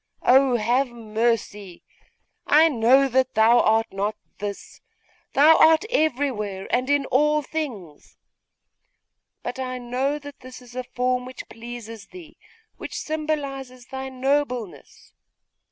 Oh, have mercy! I know that thou art not this! Thou art everywhere and in all things! But I know that this is a form which pleases thee, which symbolises thy nobleness!